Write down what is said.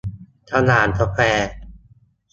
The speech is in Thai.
สยามสแควร์